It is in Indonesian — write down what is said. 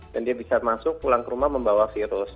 dan dia bisa masuk pulang ke rumah membawa virus